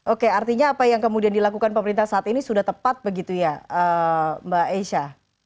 oke artinya apa yang kemudian dilakukan pemerintah saat ini sudah tepat begitu ya mbak esha